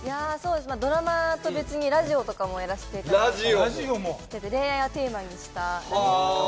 ドラマと別にラジオとかもやらしていただいていて恋愛をテーマにした。